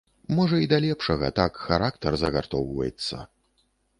Можа, і да лепшага, так характар загартоўваецца.